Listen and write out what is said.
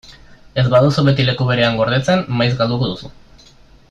Ez baduzu beti leku berean gordetzen, maiz galduko duzu.